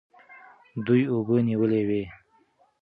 دوی اوبه نیولې وې.